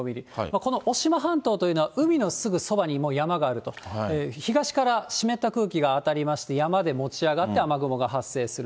この渡島半島というのは海のすぐそばに山があると、東から湿った空気が当たりまして、山で持ち上がって、雨雲が発生する。